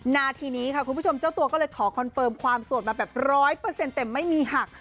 นาทีนี้ค่ะคุณผู้ชมเจ้าตัวก็เลยขอคอนเฟิร์มความโสดมาแบบ๑๐๐เต็มไม่มีหัก